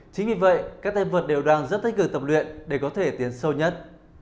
chính vì vậy các tay vật đều đang rất tích cực tập luyện để có thể tiến sâu nhất